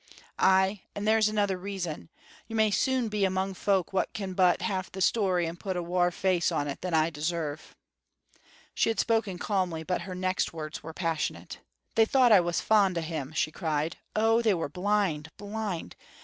Ay, and there's another reason: you may soon be among folk wha ken but half the story and put a waur face on it than I deserve." She had spoken calmly, but her next words were passionate. "They thought I was fond o'him," she cried; "oh, they were blind, blind!